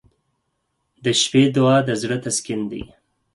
• د شپې دعا د زړه تسکین دی.